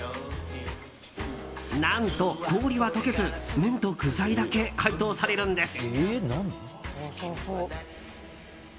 何と、氷は解けず麺と具材だけ解凍されるんです。